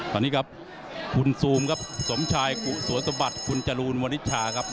ตอนนี้ครับคุณซูมครับสมชายกุศัวสมบัติคุณจรูนวนิชาครับ